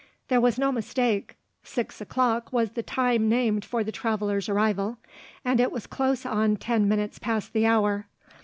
There was no mistake; six o'clock was the time named for the traveller's arrival and it was close on ten minutes past the hour.